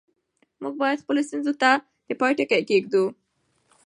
موږ باید خپلو ستونزو ته د پای ټکی کېږدو.